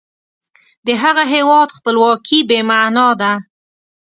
د هغه هیواد خپلواکي بې معنا ده.